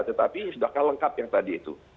tetapi sudah akan lengkap yang tadi itu